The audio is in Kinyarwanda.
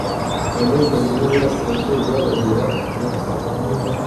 Abanyabwenge b'i burasirazuba bagera i Yerusalemu